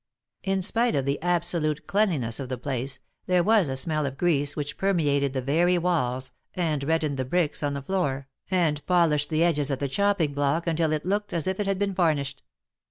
In spite of the absolute cleanliness of the place, there was a smell of grease which permeated the very walls, and reddened the bricks on the floor, and polished, the edges of the chopping block until 7 110 THE MAKKETS OF PARIS. r it looked as if it had been varnished.